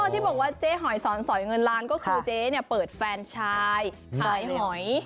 ที่บอกว่าเจ๊หอยสอนสอยเงินล้านก็คือเจ๊เปิดแฟนชายขายหอย